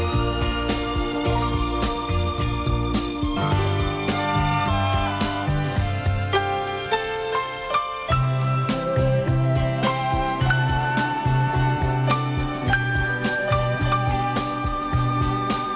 hẹn gặp lại